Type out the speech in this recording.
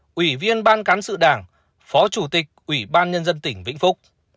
nguyên ủy viên ban cán sự đảng phó chủ tịch ủy ban nhân dân tỉnh vĩnh phúc